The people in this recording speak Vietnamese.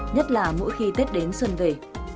nhất là mỗi khi tết đến xuân về